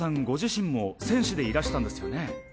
ご自身も選手でいらしたんですよね。